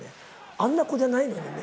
あんな子じゃないのにね。